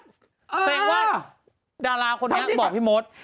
แสดงว่าดาราคนนี้บอกพี่มด